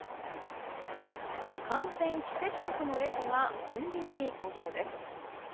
完全非接触のレジがコンビニに登場です。